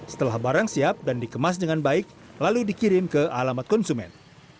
setelah barang siap dan dikemas dengan baik lalu dikirim ke alamat konsumen